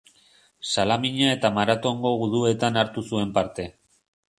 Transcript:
Salamina eta Maratongo guduetan hartu zuen parte.